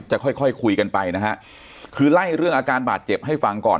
ค่อยค่อยคุยกันไปนะฮะคือไล่เรื่องอาการบาดเจ็บให้ฟังก่อน